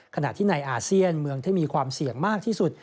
ขณะที่ในอาเซียนเมืองที่มีความเสี่ยงมากที่สุด